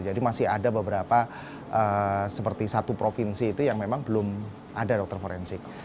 jadi masih ada beberapa seperti satu provinsi itu yang memang belum ada dokter forensik